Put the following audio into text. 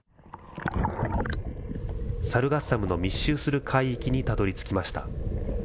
サルガッサムの密集する海域にたどりつきました。